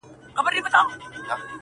ه په سندرو کي دي مينه را ښودلې،